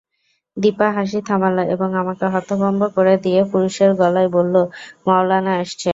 দিপা হাসি থামাল এবং আমাকে হতভম্ব করে দিয়ে পুরুষের গলায় বলল, মৌলানা আসছে।